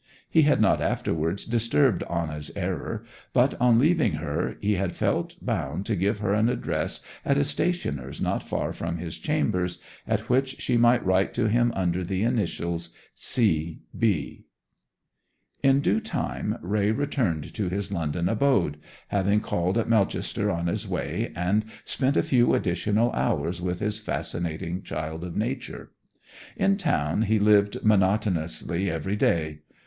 He had not afterwards disturbed Anna's error, but on leaving her he had felt bound to give her an address at a stationer's not far from his chambers, at which she might write to him under the initials 'C. B.' In due time Raye returned to his London abode, having called at Melchester on his way and spent a few additional hours with his fascinating child of nature. In town he lived monotonously every day.